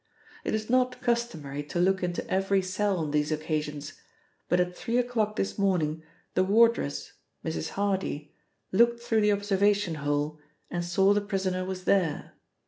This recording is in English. It is not customary to look into every cell on these occasions, but at three o'clock this morning the wardress Mrs. Hardy looked through the observation hole and saw the prisoner was there.